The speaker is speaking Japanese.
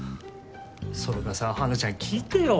それがさ花ちゃん聞いてよ。